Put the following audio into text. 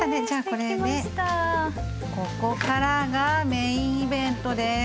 ここからがメインイベントです。